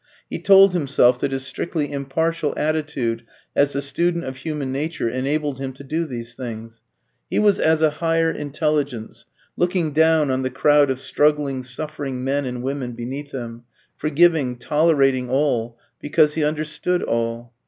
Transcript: He told himself that his strictly impartial attitude as the student of human nature enabled him to do these things. He was as a higher intelligence, looking down on the crowd of struggling, suffering men and women beneath him, forgiving, tolerating all, because he understood all.